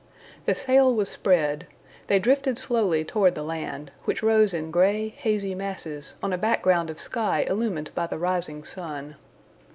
The sail was spread. They drifted slowly toward the land, which rose in gray, hazy masses, on a background of sky illumined by the rising sun.